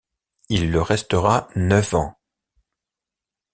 Il le restera neuf ans.